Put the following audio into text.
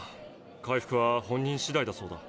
回復は本人しだいだそうだ。